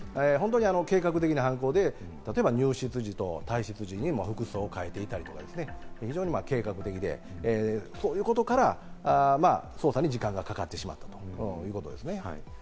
計画的な犯行で、例えば入室時と退室時に服装を変えていたり、非常に計画的で、そういうことから捜査に時間がかかってしまったということですね。